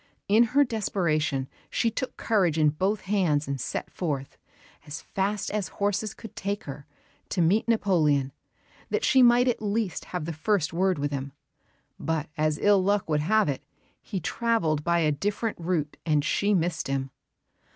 In her desperation she took her courage in both hands and set forth, as fast as horses could take her, to meet Napoleon, that she might at least have the first word with him; but as ill luck would have it, he travelled by a different route and she missed him.